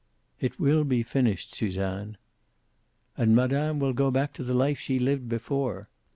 "It will be finished, Suzanne." "And Madame will go back to the life she lived before."